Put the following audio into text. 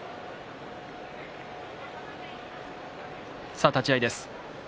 さあ立ち合いです。